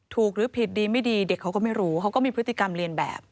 หรือผิดดีไม่ดีเด็กเขาก็ไม่รู้เขาก็มีพฤติกรรมเรียนแบบ